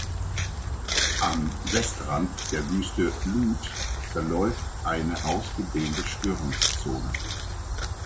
Am Westrand der Wüste Lut verläuft eine ausgedehnte Störungszone.